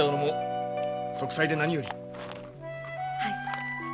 はい。